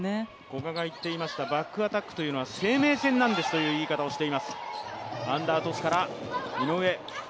古賀がバックアタックというのは生命線なんだという言い方をしています。